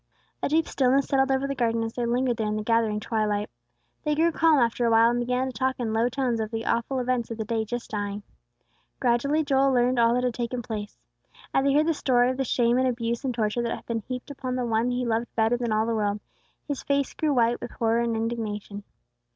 A deep stillness settled over the garden as they lingered there in the gathering twilight. They grew calm after awhile, and began to talk in low tones of the awful events of the day just dying. Gradually, Joel learned all that had taken place. As he heard the story of the shame and abuse and torture that had been heaped upon the One he loved better than all the world, his face grew white with horror and indignation.